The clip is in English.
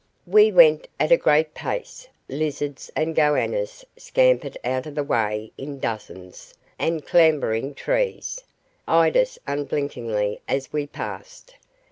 We went at a great pace; lizards and goannas scampered out of the way in dozens, and, clambering trees, eyed us unblinkingly as we passed.